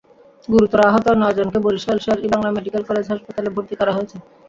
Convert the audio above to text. গুরুতর আহত নয়জনকে বরিশাল শের-ই-বাংলা মেডিকেল কলেজ হাসপাতালে ভর্তি করা হয়েছে।